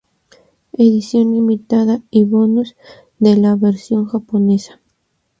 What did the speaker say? Edición limitada y bonus de la versión japonesa.